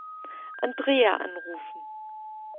Andrea anrufen.